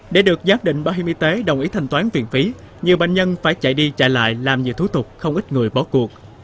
để được giác định bảo hiểm y tế đồng ý thành toán viện phí nhiều bệnh nhân phải chạy đi chạy lại làm nhiều thú tục không ít người bỏ cuộc